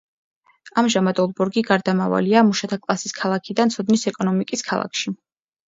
ამჟამად ოლბორგი გარდამავალია მუშათა კლასის ქალაქიდან ცოდნის ეკონომიკის ქალაქში.